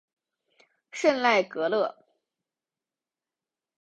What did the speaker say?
圣赖格勒。